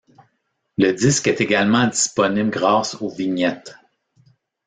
Le disque est également disponible grâce aux vignettes.